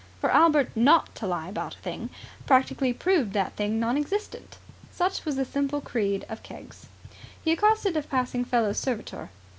For Albert not to lie about a thing, practically proved that thing non existent. Such was the simple creed of Keggs. He accosted a passing fellow servitor.